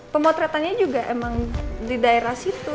pemotretannya juga emang di daerah situ